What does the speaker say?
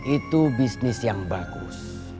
itu bisnis yang bagus